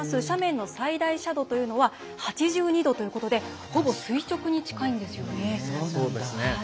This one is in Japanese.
斜面の最大斜度というのは８２度ということでほぼ垂直に近いんですよね。